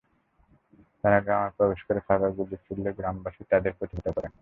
তাঁরা গ্রামে প্রবেশ করে ফাঁকা গুলি ছুড়লে গ্রামবাসী তাঁদের প্রতিহত করেন।